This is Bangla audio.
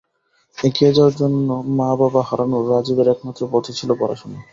এগিয়ে যাওয়ার জন্য মা বাবা হারানো রাজীবের একমাত্র পথই ছিল পড়াশোনা।